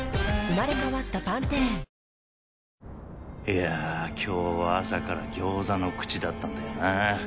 いや今日は朝からギョーザの口だったんだよな